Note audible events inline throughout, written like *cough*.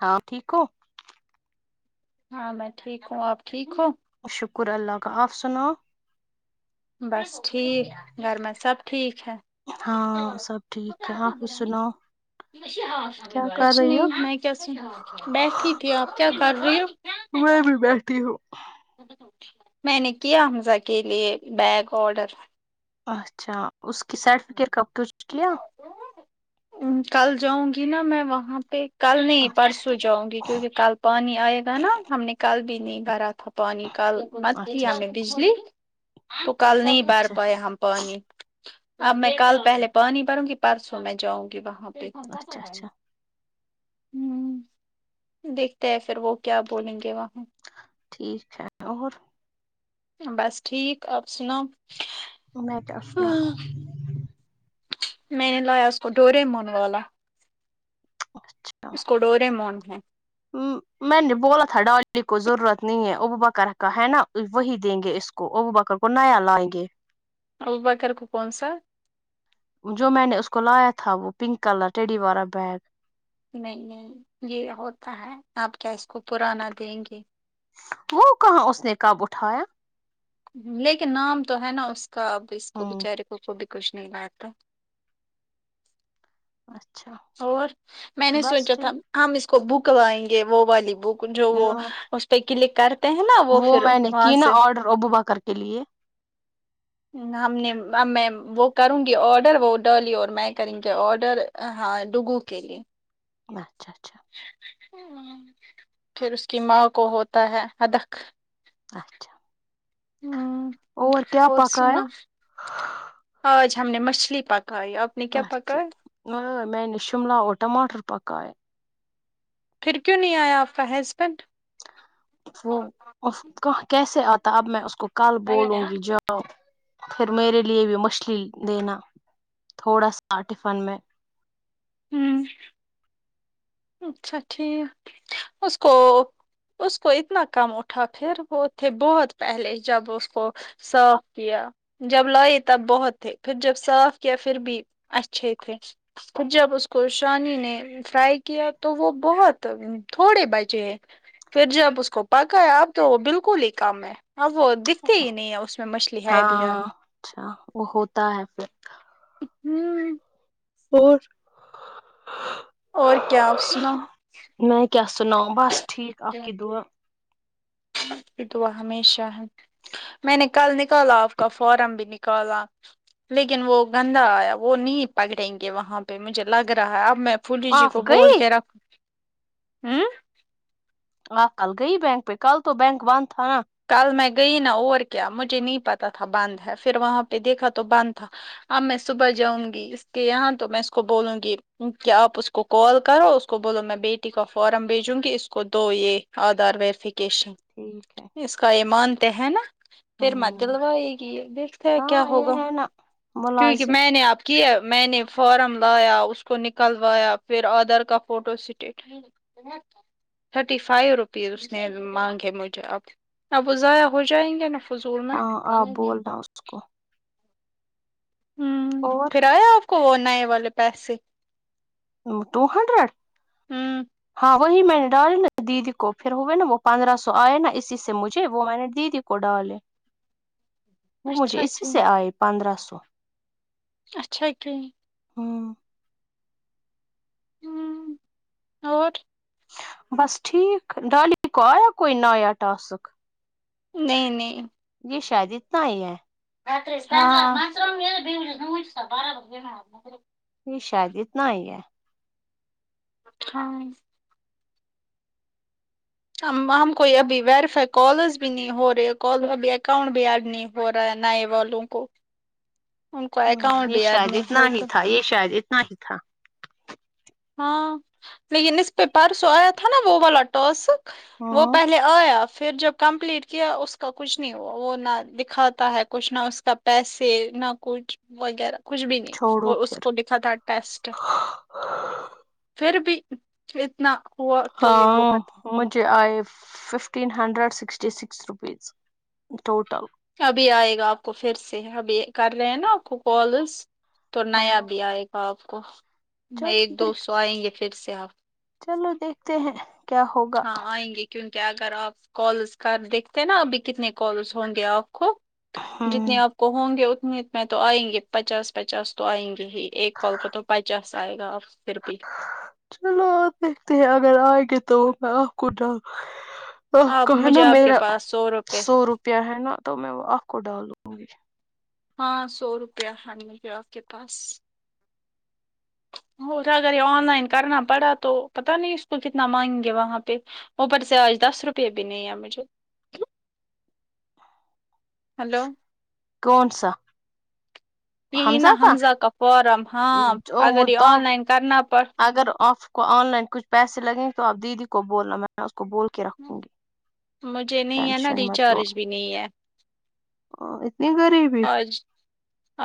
ہاں ٹھیک ہو ہاں میں ٹھیک ہوں آپ ٹھیک ہو شکر اللہ کا آپ سناؤ بس ٹھیک گھر میں سب ٹھیک ہے ہاں سب ٹھیک ہے آ بھی سناؤ کیا کر کچھ رہی نہیں ہو میں کیا سناؤ بیٹھی تھی آپ کیا کر رہی ہو میں بھی بیٹھی ہوں م س *unintelligible* ٹ میں نے کیا حمزہ کے لیے بیگ آڈر اچھا اس کی سرٹیفکیٹ کب کچھ کیا کل جاؤں گی نا میں وہاں پہ کل نہیں اچھا پرسوں جاؤں گی کیونکہ کل پانی آئے گا نا ہم نے کل بھی نہیں بھرا تھا پانی کل مت تھی اچھا اچھا آنے بجلی تو کل نہیں بر اچھا پاائے ہم پانی اب میں کل پہلے پانی بھروں گی پرسوں میں جاؤں گی وہاں پہ اچھا اچھا ہوں دیکھتے ہیں پھر وہ کیا بولیں گے وہاں ٹھیک ہے اور بس ٹھیک آپ سناؤ مدشن *unintelligible* میں نے لایا اس کو ڈورے مونوالا اچھا اسکوڈورے مون ہے ہوں میں نے بولا تھاڈاکٹر کو ضرورت نہیں ہے اببوباکر کا ہے نا وہی دیں گے اس کو کو وہ ابوبکر کو نیا لاائیں گے ابوبکر کر کو کون سا جو میں نے اس کو لایا تھا وہ پنک کلر ٹیڈی والا بیگ نہیں نہیں یہ ہوتا ہے آپ کیا اس کو پرانا دیں گے وہ کہاں اس نے کب اٹھایا لیکن نام تو ہے نا اس کا اب اس کو ہاں بچارے کو بیچارے کو بھی کچھ نہیں لاتا اچھا اور میں نے بس سوچا تھا ٹھیک ہم اس کو بک لائیں گے وہ والی بک جو وہ نا- اس پہ کلے کر ہیں نا وہ پھر میں نے وہاں کی نا سے آرڈر ابو بکر کے لیے ہم نے اب میں وہ کروں گی آڈر وہ ڈولی اور میں کریں گے آڈر ہاں ڈوگو کےلی اچھا اچھا پھر اس کی ماں کو ہوتا ہے ادک اچھا ہوں کیا اور پکایا سناو آج ہم نے مچھلی پکائی اب چ میں نش شملہ اور ٹماٹر پکاہے پھر کیوں نہیں آیا آپ کا ہیزبینڈ وہ کہاں کیسے آتا اب میں اس کو کل بولوں گی جب پھر میرے لیے بھی مچھلی دینا تھوڑا سا ٹفن میں ہوں اچھا ٹھیک اس کو اس کو اتنا کم اٹھا پھر وہ تھے بہت پہلے جب اس کو صاف کیا جب لائے تب بہت تھے پھر جب صاف کیا پھر بھی اچھے تھے جب اس کو شانی نے فرائی کیا تو وہ بہت تھوڑے بچے پھر جب اس کو پکایا اب تو وہ بالکل ہی کم ہے اب وہ دکھتے ہی نہیں ہےاس ہاں اچھا وہ ہوتا ہے پھر ہوں اور اور کیا آپ سناؤ میں کیا سناؤ بس ٹھیک آپ کی دعا تو اپ کی دعا ہمیشہ ہے میں نے کل نکالا آپ کا فارم بھی نکالا لیکن وہ گندا آیا وہ نہیں پکڑیں گے وہاں پہ مجھے لگ رہا ہے اب میں پلی جی آپ کو بول گئی کے رکھ ہوں ہا کل گئی بینک پہ کل تو بینک بند تھا نا کل میں گئی نا اور کیا مجھے نہیں پتا تھا بند ہے پھر وہاں پہ دیکھا تو بند تھا اب میں صبح جاؤں گی اس کے یہاں تو میں اس کو بولوں گی کیا آپ اس کو کال کرو اس کو بولو میں بیٹی کا فارم بھیجوں گی اس کو دو یہ ادھار وریفکیشن ٹھیک ہے اس کا یہ مانتے ہیں نا پھر ہوں مجلوائے گی دیکھتے ہیں کیا ہاں ہوگا یہ ہے نا کیونکہ ملازم میں نے آپ کہ میں نے فارم لایا اس کو نکلوایا پھر آدھار کا فوٹو تھرٹی فائیو روپیز اس نے مانگے مجھے اب اب وہ ضائع ہو جائیں گے نا فضول میں ہاں آپ بولنا اس کو ہممم اور پھر آیا آپ کو وہ نئے والے پیسے ٹو ہنڈریڈ ہوں ہاں وہی میں نے ڈالی نا دیدی کو پھر ہوئے نا وہ پندرہ سو آئے نا اسی سے مجھے وہ میں نے دیدی کو ڈالے وہ مجھے اچھا اسی کی سے آئے پندرہ سو اچھا کری ہممم ہممم اور بس ٹھیک ڈالی کو یا کوئی نیا ٹاسک نہیں نہیں یہ شاید نہیں ہے *unintelligible* یہ شاید نہیں ہے ہاں ہم کوئی ابھی ویریفائی کالرس بھی نہیں ہو رہے کال ابھی اکاؤنٹ بھی ایڈ نہیں ہو رہا ہے نئے والوں کو ان کو اکاؤنٹ یہ بھی ایڈ شادیت نہیں ہوتا تھا یہ شادیت نہیں تھا ہاں لیکن اس پہ پرسو آیا تھا نا وہ والا ٹاسک وہ ہوں پہلے آیا پھر جب کمپلیٹ کیا اس کا کچھ نہیں ہوا وہ نہ دکھاتا ہے کچھ نہ اس کا پیسے نہ کچھ وغیرہ کچھ بھی نہیں چھوڑو وہ پھر اس کو لکھا تھا ٹیسٹ پھر بھی اتنا ہوا تو یہ ہاں بہت مجھے آئف fifteen hundred sixty six rupees total ابھی آئے گا آپ کو پھر سے ابھی کر رہے ہیں نا آپ کو کالز تو ہاں نیا بھی آئے گا آپ کو میں چلو ایک دو سو دیکھتے آئیں گے پھر سے آپ چلو دیکھتے ہیں کیا ہوگا ہاں آئیں گے کیونکہ اگر آپ کالز کر دیکھتے نا ابھی کتنے کالس ہوں گے آپ کو ہوں جتنے آپ کو ہوں گے اتنے میں تو آئیں گے پچاس پچاس تو آئیں گے ہی ایک کال کو تو پچاس آئے گا آپ پھر بھی تک چلو آپ دیکھتے ہیں اگر آئیں گے تو میں آپ کو ڈا حا آہ ا آپ کھانا مجھے نا آپ کے میرا پاس روپے سو روپیہ ہے نا تو میں وہ آپ کو ڈالوں گی ہاں سو روپیہ ہارنے کے آپ کے پاس وہ اٹھا اگر یہ آن لائن کرنا پڑا تو پتا نہیں اس کو کتنا مانگ گے وہاں پہ اوپر سے آج دس روپے بھی نہیں ہے مجھے ہلو کون سا یہی نا حمزہ کا فارم ہاں ں تو اگر یہ آن آپ لائن کرنا پ اگر آف کو آن لائن کچھ پیسے لگیں گے تو آپ دیدی کو بولنا میں نے اس کو بول کے رکھوں گی مجھے نہیں ہے نا ٹینشن ریچار بھی نہیں ہے ا اتنی غریب آج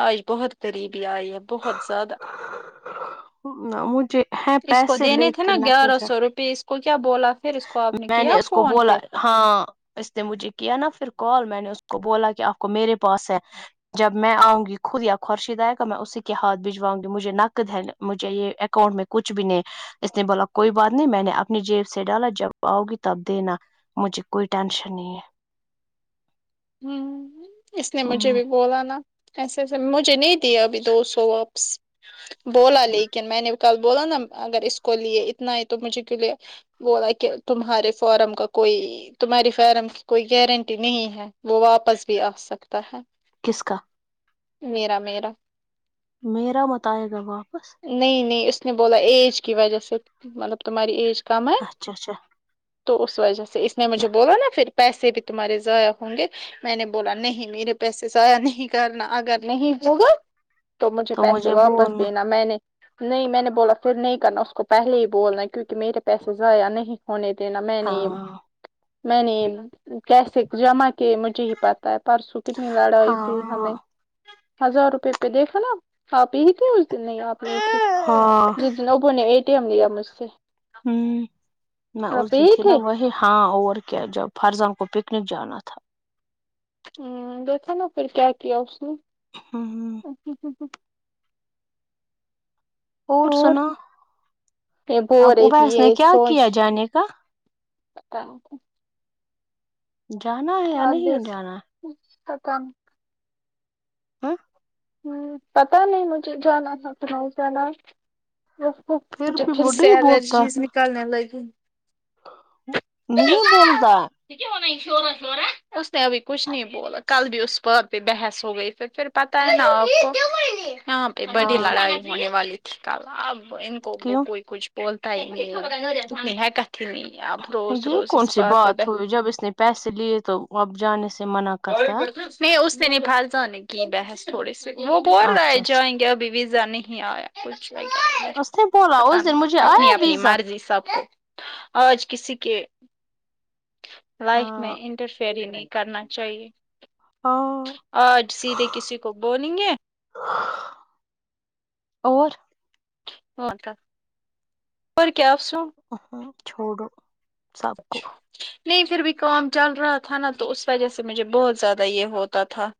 آئی بہت قریب لائی ہے بہت زیادہ نہ مجھے ہیں اس کو پیسے دینے تھے نا لیکن نقد گیارہ ہے سو روپئے اس کو کیا بولا پھر اس کو آپ میں کیا نے اس کو فون بولا پھر ہاں اس نے مجھے کیا نا پھر کال میں نے اس کو بولا کہ آپ کو میرے پاس ہے جب میں آؤںگی خود یا خورشیدایگا میں اسی کےاتھجواؤں گی مجھے نکدل مجھے یہ اکاؤنٹ میں کچھ بھی نہیں اس نے بولا کوئی بات نہیں میں نے اپنی جیب سے یےڈالا جب آؤ گی تب دینا مجھے کوئی ٹینشن نہیں ہے ہم اس نے مجھے بھی بولا نا ایسا ایسا مجھے نہیں دیا ابھی دو سو واپس بولا لیکن میں نے کل بولاو نا اگر اس کو لیے اتنا ہے تو مجھے کیوں لیا بولا کہ تمہارے فارم کا کوئی تمہاری فارم کوئی گارنٹی نہیں ہے وہ واپس بھی آہ سکتا ہے کس کاا میرا میرا میرا مت آئیے گا واپس نہیں نہیں اس نے بولا ایج کی وجہ سے مطلب تمہاری ایج کم ہے اچھا اچھا تو اس وجہ سے اس نے مجھے بولا نا پھر پیسے بھی تمہارے ضائع ہوں گے میں نے بولا نہیں میرے پیسے ضائیا نہیں کرنا اگر نہیں ہوگا تو مجھے پیسے واپس دینا میں نے نہیں میں نے بولا پھر نہیں کرنا اس کو پہلے ہی بولنا کیونکہ میرے پیسے ضائع نہیں ہونے د نا میں نے یے ہاں میں نےیے کیسے جمع کہ مجھے ہی پتا ہے پرسوں کتنی لڑائی تھی ہمیں ہاں ہزار روپے پہ دیکھا نا آپ یہی تھے اس دن نہیں آپ نہیں تھی ہاں جی جی ابوں نے ایٹیم لیا مجھ سے ہم میں اس آپ دن یہی تھی نا تھے وہی ہاں اور کیا جب فرزوں کو پکنک جانا تھا ہوں دیکھو نا پھر نا کیا کیا کیا اسنے ہوں ہوں سب کچ تو *inaudible* اور سناو یہ بو اب رہی تھی اباس نے یہ کیا کیا جانے کا تنک جانا ہے یا نہیں جانا سکام آہ ہ ہوں پتا نہیں مجھے جانا تھک رہ ہوں ج نا ہیو ہیو بھی پھر وہ سے نہیں بولتا ایلرجیز نکالنے لگی نہیں بولو تا کی ہورا یے شوری وا اس نے ابھی کچھ نہیں بولا کل بھی اس پاار پہ بحث ہو گئی پھر پھر پ نا آپ کو یہاں پہ بڑی ہاں لڑائی ہونے والی تھی کل کب گوبو کیوں کوئی کچھ بولتا ہی ہے کتھی ہے کا کی نہیں اب روز یہ روز کون اس سی بات پہ ہوئی جب اس نے پیسے لیے تو اب جانے سے منع کرتا ہے نہیں اس نے نھی پھال جان نے کی بحث تھوڑے سے وہ بور رہا اچھا اچھا جائیں گے ابھی بھی نہیں آیا کچھ اس نے نہیں بولا اس دن مجھے اپنی آیا اپنی ویزا مرضی سب کو آج کسی کے لائف میں ہاں انٹرفیئر ہی نہیں کرنا چاہیے ہاں اورج سیدھے کسی کو بو نی گے اور ار کا اور کیا آ سم آہا چھوڑو سب کو اچھا نہیں پھر بھی کام چل رہا تھا نا تو اس وجہ سے مجھے بہت زیادہ یہ ہوتا تھا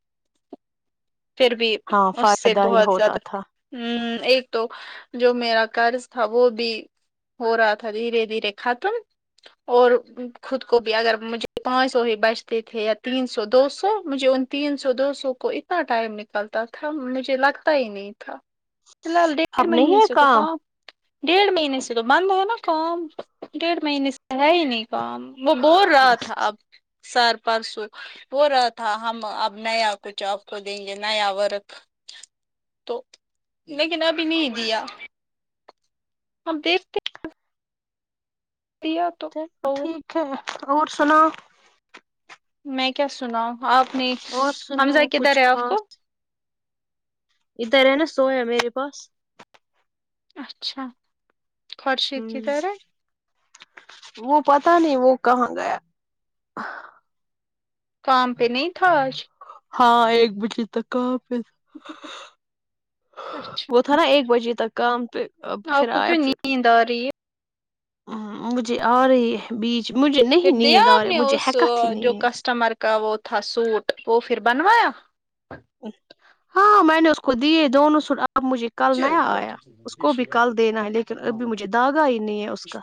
پھر بھی ہاں اس سے فائدہ ہی بہت ہوتا زیادہ تھا ہمم ایک تو جو میرا قرض تھا وہ بھی ہورا تھاا دھیرے دھیرے ختم اور خود کو بھی اگر مجھے پانچ سو ہی بجتے تھے یا تین سو دو سو مجھے ان تین سو دو سو کو اتنا ٹائم نکلتا تھا مجھے لگتا ہی نہیں تھا فی الحال ڈیڑھ اب نہیں مہینے ہے سے کام تقام ڈیڑھ مہینے سے تو بند ہے نا کام ڈیھ مہینے سے ہے ہی نہیں کام وہ بول رہا تھا اب سر پرسوں ہو رہا تھا ہم اب نیا کچھ اب تو دیں گے نیا ورک تو لیکن ابھی نہیں دیا ہم دیکھ ک تو چلو ٹھیک ہے اور سناو میں کیا سنا ہوں آپ نے اور سنا حمزہ کدھر کچھ ہے آپ خاص کو ادھر ہے نا سویا میرے پاس اچھا ه خورشید کی طرح وہ پتا نہیں وہ کہاں گیا کام پہ نہیں تھا آج ہاں ایک بجے تک کا پھر اچھا وہ تھا نا ایک بجے تک کام پے اب پھر آپ کو آیا کیوں پھر نیند آ رہی ہے ہ مجھے آ رہے ہے بیچ مجھے پھر نہیں دیا نیند آ آپ رہے نے مجھے اس حیکت ہی نھی جو ہے کسٹمر کا وہ تھا سوٹ وہ پھر بنوایا ہاں میں نے اس کو دیے دونوں سوٹ آپ مجھے کل نیا آیا اس کو بھی کل دینا ہے لیکن ابھی مجھے داگا ہی نہیں ہے اس کا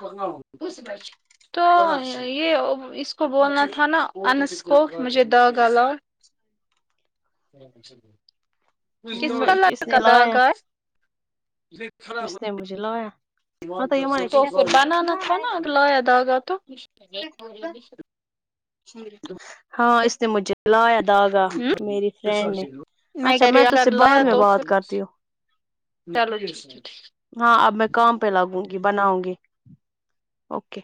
بوس بج تو یہ اب اس کو بولنا تھا نا انس کو مجھے داغا لا کس کلر نے کا لایا داگا ہے اس نے مجھے لایا ہاں یہ م تو کیا فر بنانا تھا نا لایا داغا تو ہاں اس نے مجھے لایا دھاگا میری فرینڈ نے اچھا کہہ رہی میں ہوں تجھ سے اگر بعد لایا میں تو بات پھر کرتی ہوں چلو جی اچھا ٹھیک ہاں اب میں کام پہ لگوں گی بناؤں گی اوکے